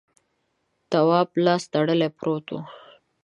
تواب لاس تړلی پروت و.